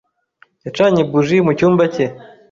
Yacanye buji mu cyumba cye.